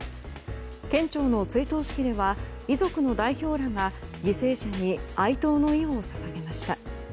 県庁の追悼式では遺族の代表らが犠牲者に哀悼の意を捧げました。